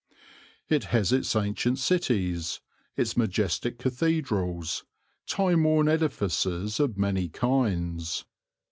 It has its ancient cities, its majestic cathedrals, time worn edifices of many kinds.